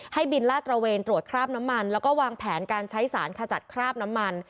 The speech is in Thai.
บินลาดตระเวนตรวจคราบน้ำมันแล้วก็วางแผนการใช้สารขจัดคราบน้ำมัน